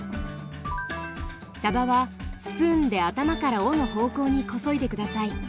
さばはスプーンで頭から尾の方向にこそいで下さい。